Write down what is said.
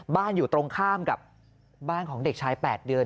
อยู่ตรงข้ามกับบ้านของเด็กชาย๘เดือน